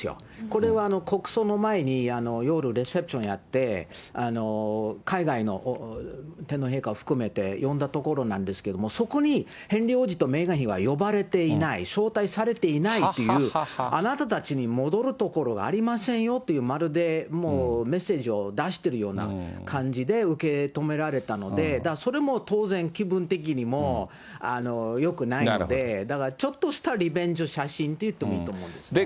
これは国葬の前に夜、レセプションやって、海外の天皇陛下を含めて、呼んだところなんですけれども、そこにヘンリー王子とメーガン妃は呼ばれていない、招待されていないっていう、あなたたちに戻る所ありませんよという、まるでもうメッセージを出しているような感じで受け止められたので、だからそれも当然、気分的にもよくないんで、だからちょっとしたリベンジの写真といってもいいと思うんですね。